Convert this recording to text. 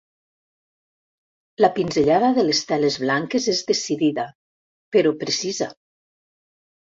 La pinzellada de les teles blanques és decidida, però precisa.